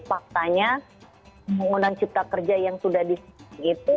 faktanya undang undang cipta kerja yang sudah disebut itu